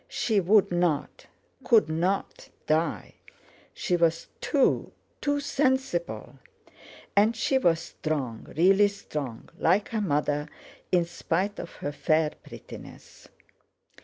She would not—could not die! She was too—too sensible; and she was strong, really strong, like her mother, in spite of her fair prettiness.